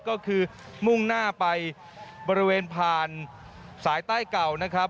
ก็คือมุ่งหน้าไปบริเวณผ่านสายใต้เก่านะครับ